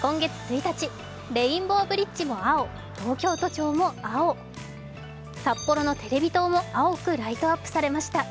今月１日、レインボーブリッジも青、東京都庁も青、札幌のテレビ塔も青くライトアップされました。